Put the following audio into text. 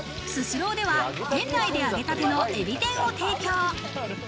スシローでは店内で揚げたての海老天を提供。